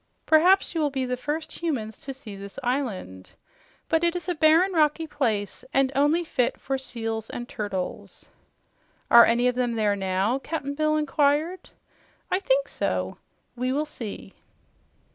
Perhaps you will be the first humans to see this island. But it is a barren, rocky place, and only fit for seals and turtles." "Are any of them there now?" Cap'n Bill inquired. "I think so. We will see."